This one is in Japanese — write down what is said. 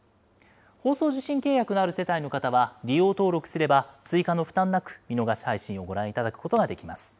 放送受信契約のある世帯の方は利用登録すれば追加の負担なく、見逃し配信をご覧いただくことができます。